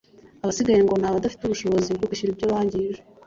Abasigaye ngo ni abadafite ubushobozi bwo kwishyura ibyo bangije